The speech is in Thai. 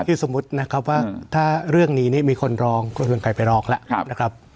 คือสมมตินะครับว่าถ้าเรื่องนี้นี่มีคนรองมีคนใครไปรองแล้วนะครับ